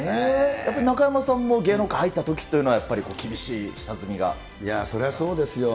やっぱり中山さんも芸能界に入ったときっていうのは、やっぱり厳そりゃそうですよ。